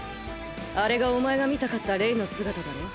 あれがお前が見たかったレイの姿だろ？